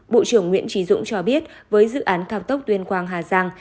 bộ trưởng nguyễn trí dũng cho biết với dự án cao tốc tuyên quang hà giang